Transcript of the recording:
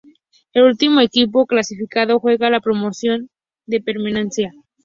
El último equipo clasificado juega la promoción de permanencia.